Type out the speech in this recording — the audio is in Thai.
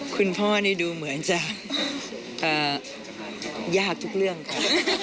คุณพ่อนี่ดูเหมือนจะยากทุกเรื่องค่ะ